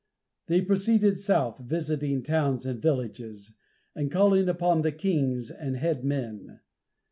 They proceeded south, visiting towns and villages, and calling upon the kings and head men.